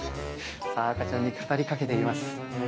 赤ちゃんに語り掛けています。